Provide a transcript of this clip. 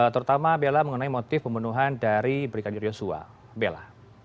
terutama bella mengenai motif pembunuhan dari brigadier joshua bella